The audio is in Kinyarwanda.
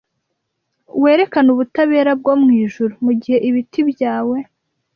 werekane ubutabera bwo mwijuru, mugihe ibiti byawe